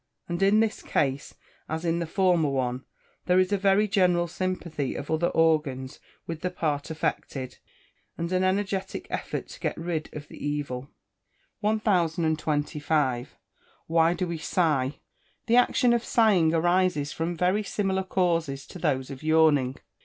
And in this case, as in the former one, there is a very general sympathy of other organs with the part affected, and an energetic effort to get rid of the evil. 1025. Why do we sigh? The action of sighing arises from very similar causes to those of yawning.